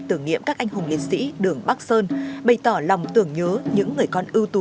tưởng niệm các anh hùng liệt sĩ đường bắc sơn bày tỏ lòng tưởng nhớ những người con ưu tú